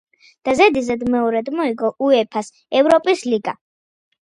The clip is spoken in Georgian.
და ზედიზედ მეორედ მოიგო უეფა-ს ევროპის ლიგა.